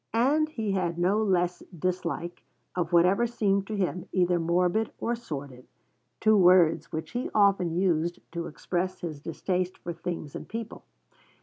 And he had no less dislike of whatever seemed to him either morbid or sordid, two words which he often used to express his distaste for things and people.